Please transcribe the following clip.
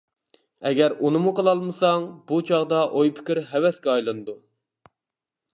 ئەگەر ئۇنىمۇ قىلالمىساڭ، بۇ چاغدا ئوي-پىكىر ھەۋەسكە ئايلىنىدۇ.